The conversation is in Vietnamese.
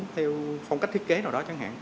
theo phong cách thiết kế nào đó chẳng hạn